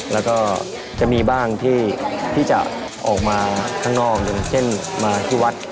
แล้วก็จะมีบ้างที่จะออกมาข้างนอกอย่างเช่นมาที่วัด